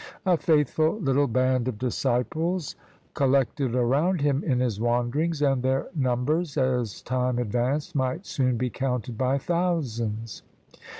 A faithful little band of disciples collected around him in his wanderings, and their num bers, as time advanced, might soon be counted by thou sands.